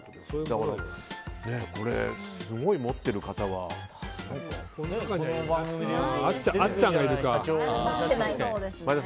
だから、これはすごい、持ってる方は。あっちゃんがいるか。